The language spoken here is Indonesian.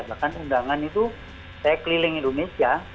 bahkan undangan itu saya keliling indonesia